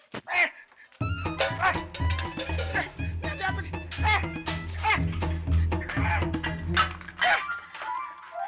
eh eh eh dia apa nih eh eh eh dia apa nih eh eh eh dia apa nih